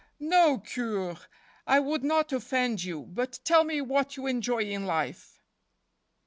"No, Cure, I w r ould not offend you, but tell me what you enjoy in life."